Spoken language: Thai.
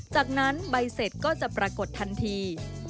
จากนั้นใบเสร็จก็จะปรากฏทันที